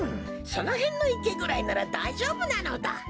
そのへんのいけぐらいならだいじょうぶなのだ。